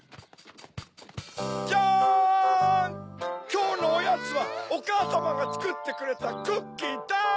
きょうのおやつはおかあさまがつくってくれたクッキーです！